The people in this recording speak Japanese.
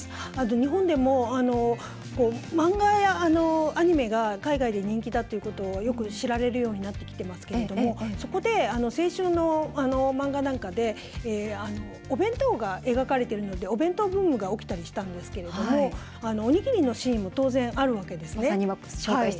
日本でも、漫画やアニメが海外で人気だということがよく知られるようになってきてますけれどもそこで青春の漫画なんかでお弁当が描かれているのでお弁当ブームが起きたりしたんですけれどもおにぎりのシーンも当然、あるわけですね。